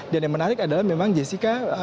dan yang menarik adalah memang jessica